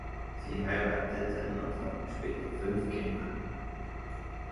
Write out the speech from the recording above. Sie heirateten und hatten später fünf Kinder.